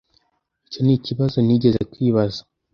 icyo nikibazo nigeze kwibaza.